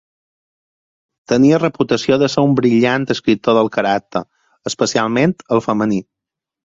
Tenia reputació de ser un brillant descriptor del caràcter, especialment el femení.